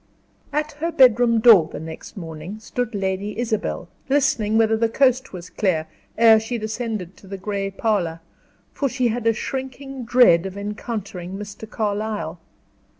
At her bedroom door, the next morning, stood Lady Isabel, listening whether the coast was clear ere she descended to the gray parlor, for she had a shrinking dread of encountering Mr. Carlyle.